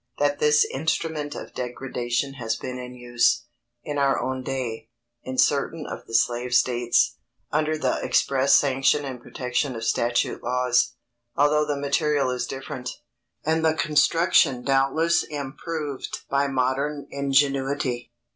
that this instrument of degradation has been in use, in our own day, in certain of the slave states, under the express sanction and protection of statute laws; although the material is different, and the construction doubtless improved by modern ingenuity.